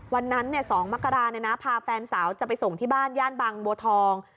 วันนั้น๒มกราพาแฟนสาวจะไปส่งที่บ้านย่านบางบัวทอง